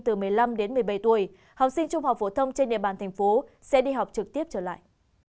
từ một mươi năm đến một mươi bảy tuổi học sinh trung học phổ thông trên địa bàn thành phố sẽ đi học trực tiếp trở lại